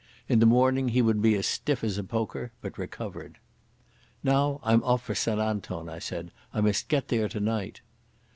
In the morning he would be as stiff as a poker, but recovered. "Now I'm off for St Anton," I said. "I must get there tonight."